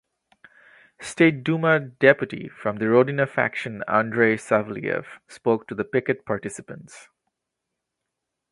State Duma deputy from the Rodina faction Andrey Savelyev spoke to the picket participants.